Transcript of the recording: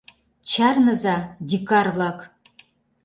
Чарныза, дикар-влак!